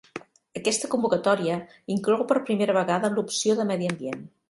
Aquesta convocatòria inclou per primera vegada l'opció de medi ambient.